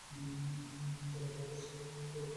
দরবারে ফার্সি সংস্কৃতি ও সাহিত্যের কদর করা হত।